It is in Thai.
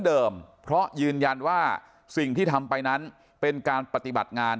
เดิมเพราะยืนยันว่าสิ่งที่ทำไปนั้นเป็นการปฏิบัติงาน